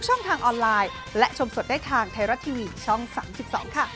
หล่วยไปด้วยกันไหนก็พูด